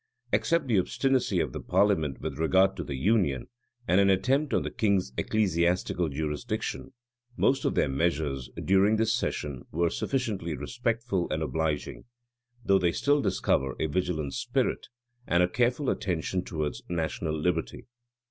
Except the obstinacy of the parliament with regard to the union, and an attempt on the king's ecclesiastical jurisdiction,[*] most of their measures, during this session, were sufficiently respectful and obliging; though they still discover a vigilant spirit, and a careful attention towards national liberty.